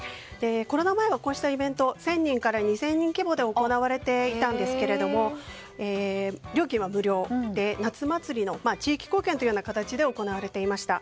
コロナ前はこうしたイベント１０００人から２０００人規模で行われていましたが料金は無料で夏祭りの地域貢献という形で行われていました。